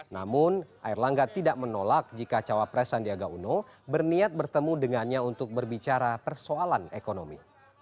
namun erlangga tidak menolak jika cawapres sandiaga uno berniat bertemu dengannya untuk berbicara persoalan ekonomi